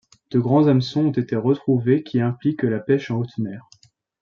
De grands hameçons ont été retrouvés qui impliquent la pêche en haute mer.